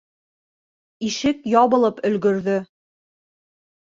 Ишек ябылып өлгөрҙө.